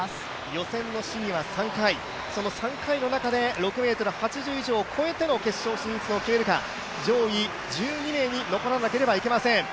予選の試技は３回、その３回の中で６ｍ８１以上を超えての決勝進出を決めるか、上位１２名に残らなければいけません。